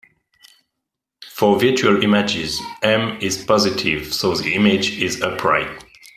For virtual images "M" is positive, so the image is upright.